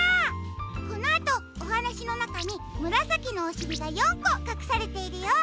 このあとおはなしのなかにむらさきのおしりが４こかくされているよ。